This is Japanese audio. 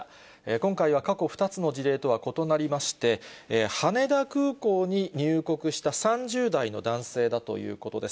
今回は過去２つの事例とは異なりまして、羽田空港に入国した３０代の男性だということです。